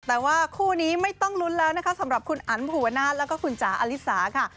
แต่ว่าคู่นี้ไม่ต้องลุ้นแล้วนะคะสำหรับคุณอันภูวนาศแล้วก็คุณจ๋าอลิสาค่ะ